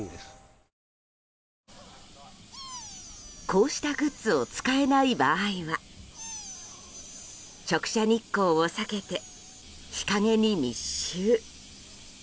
こうしたグッズを使えない場合は直射日光を避けて日陰に密集。